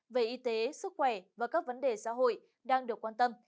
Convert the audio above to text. về y tế sức khỏe và các vấn đề xã hội đang được quan tâm